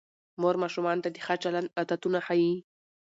مور ماشومانو ته د ښه چلند عادتونه ښيي